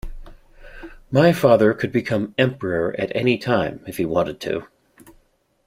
My father could become emperor at any time if he wanted to.